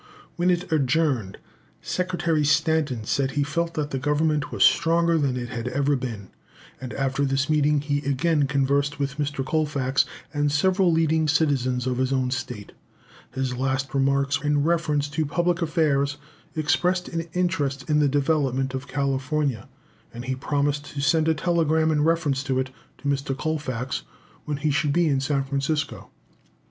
"When it adjourned, Secretary Stanton said he felt that the Government was stronger than it had ever been;" and after this meeting he again conversed with Mr. Colfax and several leading citizens of his own state. His last remarks in reference to public affairs expressed an interest in the development of California, and he promised to send a telegram in reference to it to Mr. Colfax when he should be in San Francisco.